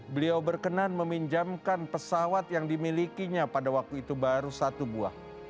beliau berkenan meminjamkan pesawat yang dimilikinya pada waktu itu baru satu buah